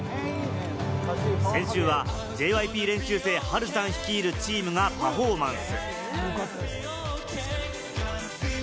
先週はＪＹＰ練習生・ハルさん率いるチームがパフォーマンス。